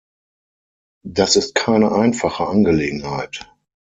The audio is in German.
Das ist keine einfache Angelegenheit.